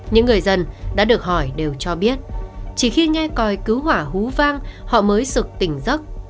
những người dân đã được hỏi đều cho biết chỉ khi nghe coi cứu hỏa hú vang họ mới sục tỉnh giấc